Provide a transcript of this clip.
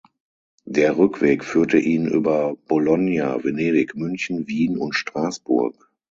Der Rückweg führte ihn über Bologna, Venedig, München, Wien und Straßburg.